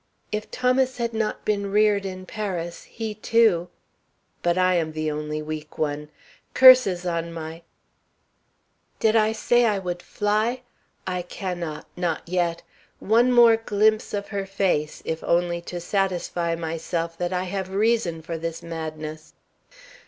"If Thomas had not been reared in Paris, he too But I am the only weak one. Curses on my "Did I say I would fly? I cannot, not yet. One more glimpse of her face, if only to satisfy myself that I have reason for this madness.